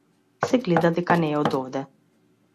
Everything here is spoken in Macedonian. Се гледа дека не е од овде.